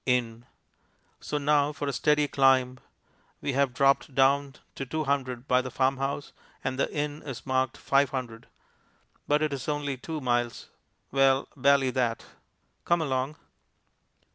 "Inn," So now for a steady climb. We have dropped down to "200" by the farmhouse, and the inn is marked "500." But it is only two miles well, barely that. Come along.